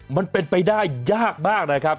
มันเป็นไปได้ยากมากนะครับ